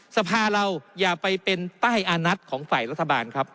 สภาเราอย่าไปเป็นใต้อาณัตค์ของฝ่ายรัฐบาล